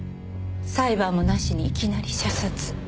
裁判もなしにいきなり射殺。